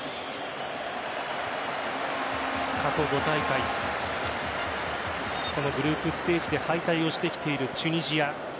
過去５大会このグループステージで敗退をしてきているチュニジア。